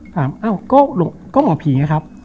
อ้าวก็หมอผีไงครับ